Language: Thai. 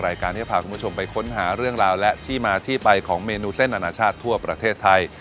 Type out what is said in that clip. รายการที่จะพาคุณผู้ชมไปค้นหาเรื่องราวและที่มาที่ไปของเมนูเส้นอนาชาติทั่วประเทศไทย